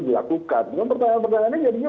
dilakukan pertanyaan pertanyaannya jadinya